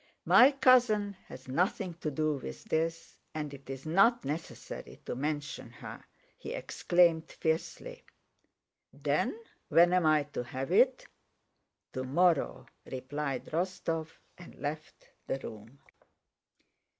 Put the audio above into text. "My cousin has nothing to do with this and it's not necessary to mention her!" he exclaimed fiercely. "Then when am I to have it?" "Tomorrow," replied Rostóv and left the room.